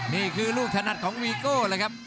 นี่คือลูกถนัดของวีโก้เลยครับ